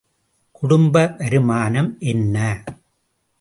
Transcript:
குடும்ப வருமானம் என்ன?